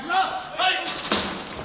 はい！